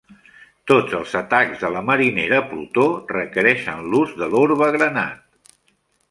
Tots els atacs de la Marinera Plutó requereixen l'ús de l'Orbe Granat.